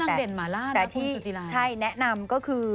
นางเด่นหมาลาดนะคุณซูจิลายแต่ที่ใช่แนะนำก็คือ